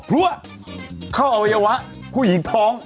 เพราะว่าเข้าอวัยวะผู้หญิงท้อง